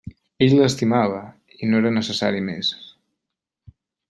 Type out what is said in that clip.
Ell l'estimava, i no era necessari més.